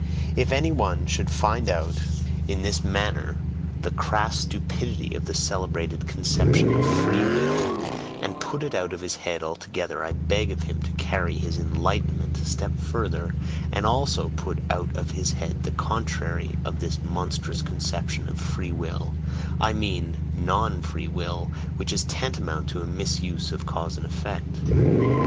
If any one should find out in this manner the crass stupidity of the celebrated conception of "free will" and put it out of his head altogether, I beg of him to carry his "enlightenment" a step further, and also put out of his head the contrary of this monstrous conception of "free will": I mean "non free will," which is tantamount to a misuse of cause and effect.